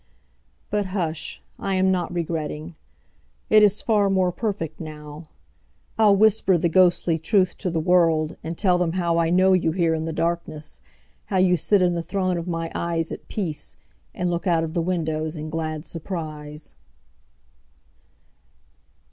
But hush, I am not regretting:It is far more perfect now. I'll whisper the ghostly truth to the worldAnd tell them howI know you here in the darkness, How you sit in the throne of my eyesAt peace, and look out of the windowsIn glad surprise.